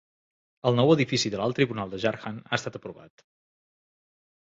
El nou edifici de l'alt tribunal de Jharkhand ha estat aprovat.